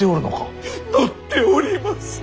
載っております。